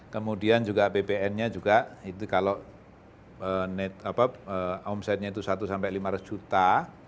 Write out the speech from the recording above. kemudian juga ppn nya juga itu kalau omsetnya itu satu sampai lima ratus juta